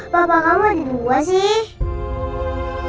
papa kamu ada berapa sih reina